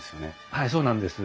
はいそうなんです。